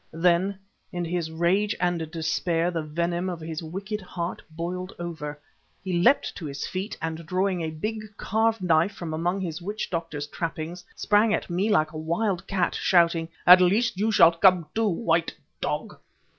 Then, in his rage and despair, the venom of his wicked heart boiled over. He leapt to his feet, and drawing a big, carved knife from among his witch doctor's trappings, sprang at me like a wild cat, shouting: "At least you shall come too, white dog!"